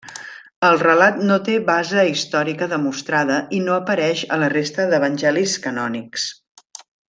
El relat no té base històrica demostrada i no apareix a la resta d'evangelis canònics.